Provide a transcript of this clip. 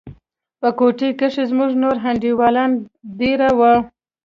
په كوټه کښې زموږ نور انډيوالان دېره وو.